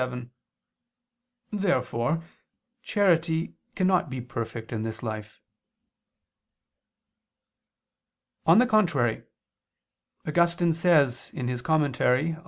Therefore charity cannot be perfect in this life. On the contrary, Augustine says (In prim. canon.